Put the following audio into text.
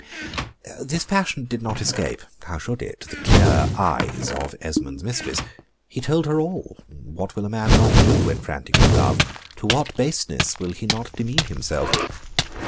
This passion did not escape how should it? the clear eyes of Esmond's mistress: he told her all; what will a man not do when frantic with love? To what baseness will he not demean himself?